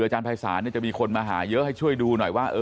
อาจารภัยศาลจะมีคนมาหาเยอะให้ช่วยดูหน่อยว่า